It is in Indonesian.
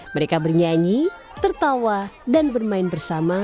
mereka bernyanyi tertawa dan bermain bersama